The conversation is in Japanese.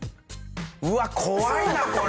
うわ怖いなこれ！